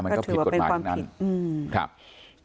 มันก็ผิดกฎหมายทั้งนั้นก็ถือว่าเป็นความผิด